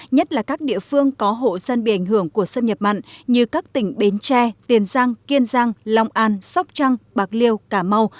nhất là các địa phương có hộ dân bị ảnh hưởng của xâm nhập mặn như các tỉnh bến tre tiền giang kiên giang long an sóc trăng bạc liêu cà mau